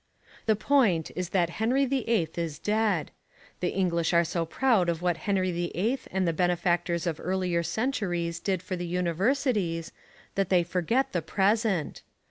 The point is that Henry VIII is dead. The English are so proud of what Henry VIII and the benefactors of earlier centuries did for the universities that they forget the present.